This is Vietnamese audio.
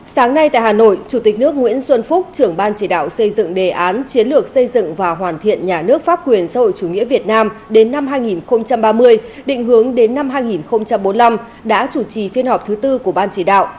sáng nay tại hà nội chủ tịch nước nguyễn xuân phúc trưởng ban chỉ đạo xây dựng đề án chiến lược xây dựng và hoàn thiện nhà nước pháp quyền xã hội chủ nghĩa việt nam đến năm hai nghìn ba mươi định hướng đến năm hai nghìn bốn mươi năm đã chủ trì phiên họp thứ tư của ban chỉ đạo